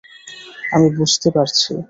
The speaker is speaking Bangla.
আমি বুঝতে পারছি।